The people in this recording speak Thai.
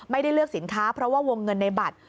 ไม่ได้เลือกสินค้าเพราะว่าวงเงินในบัตร